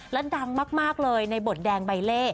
และดังมากเลยในบทแดงใบเล่